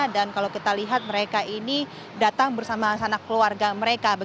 kalau kita lihat mereka ini datang bersama sanak keluarga mereka